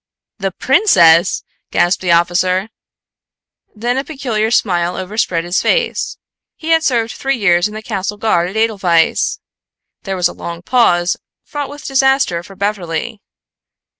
"The princess!" gasped the officer. Then a peculiar smile overspread his face. He had served three years in the Castle Guard at Edelweiss! There was a long pause fraught with disaster for Beverly.